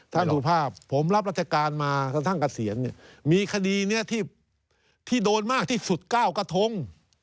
ท่านสูตรภาพผมรับรัฐกาลมาทางเกษียณเนี่ยมีคดีเนี่ยที่โดนมากที่สุดก้าวกะทง